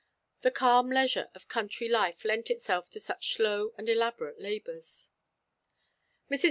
The calm leisure of country life lent itself to such slow and elaborate labours. Mrs.